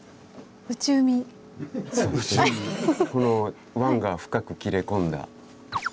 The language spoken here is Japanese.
この湾が深く切れ込んだ。